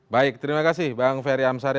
baik terima kasih bang ferry amsari